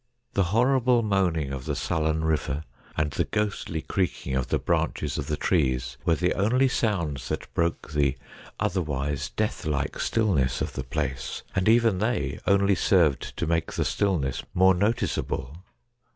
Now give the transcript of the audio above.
The horrible moaning of the sullen river, and the ghostly creaking of the branches of the trees were the only sounds that broke the otherwise deathlike stillness of the place, and even they only served to make the stillness more noticeable.